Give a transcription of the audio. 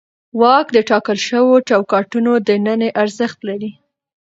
واک د ټاکل شوو چوکاټونو دننه ارزښت لري.